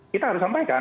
kita harus sampaikan